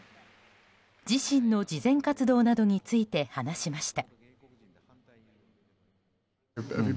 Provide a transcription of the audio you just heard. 自身の慈善活動などについて話しました。